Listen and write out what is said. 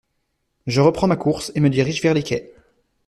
Je reprends ma course et me dirige vers les quais.